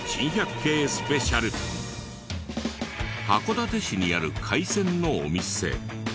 函館市にある海鮮のお店。